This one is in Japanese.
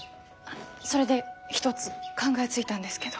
それで一つ考えついたんですけど。